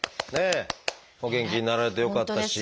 お元気になられてよかったですし。